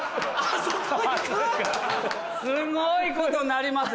・すごいことなります。